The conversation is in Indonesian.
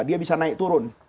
dia bisa naik turun